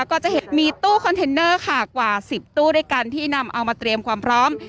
ก็จะเห็นมีตู้คอนเทนเนอร์ค่ะกว่า๑๐ตู้ด้วยกันที่นำเอามาเตรียมความพร้อม